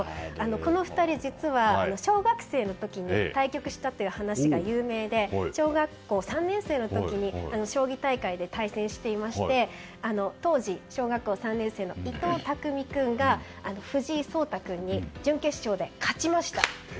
この２人、実は小学生の時に対局したという話が有名で小学校３年生の時に将棋大会で対戦していまして当時小学校３年生の伊藤匠君が藤井聡太君に準決勝で勝ちました。